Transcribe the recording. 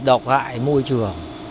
độc hại môi trường